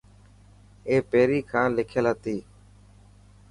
اي پهرين کان لکيل هتي.